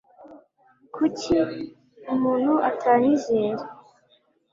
Kuki umuntu atanyizera